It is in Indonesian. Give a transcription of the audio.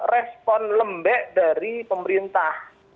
respon lembek dari pemerintah